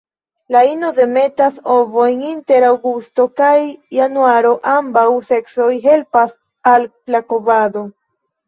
La ino demetas ovojn inter aŭgusto kaj januaro; ambaŭ seksoj helpas al la kovado.